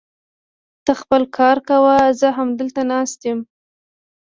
ته خپل کار کوه، زه همدلته ناست يم.